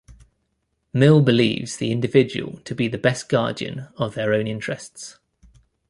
Mill believes the individual to be the best guardian of their own interests.